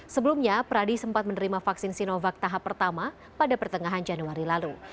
sebelumnya pradi sempat menerima vaksin sinovac tahap pertama pada pertengahan januari lalu